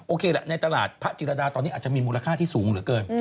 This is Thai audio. ในตลาดพระจิรดาตอนนี้อาจจะมีมูลค่าที่สูงเหลือเกิน